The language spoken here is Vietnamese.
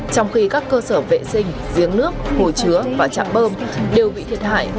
sửa vệ sinh giếng nước hồi chứa và chạm bơm đều bị thiệt hại